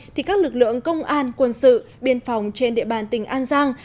thì các lực lượng công an quân sự biên phòng trên địa bàn tỉnh an giang